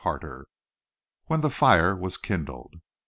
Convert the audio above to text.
CHAPTER IV. WHEN THE FIRE WAS KINDLED.